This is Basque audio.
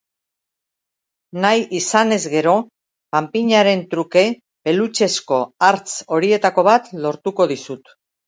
Nahi izanez gero, panpinaren truke pelutxezko hartz horietako bat lortuko dizut.